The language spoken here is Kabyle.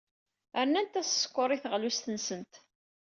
Rnant-as sskeṛ i teɣlust-nsent.